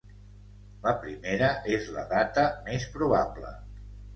La primera és la data més probable.